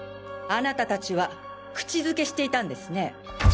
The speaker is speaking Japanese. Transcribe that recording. あなたたちは口づけしていたんですね。